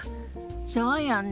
そうよね。